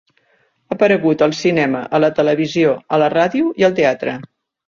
Ha aparegut al cinema, a la televisió, a la ràdio i al teatre.